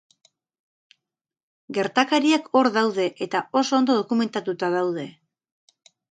Gertakariak hor daude, eta oso ondo dokumentatuta daude.